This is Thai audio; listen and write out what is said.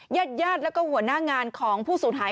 ญาติญาติแล้วก็หัวหน้างานของผู้สูญหาย